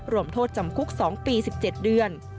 รวมโทษจำคุก๒ปี๑๗เดือน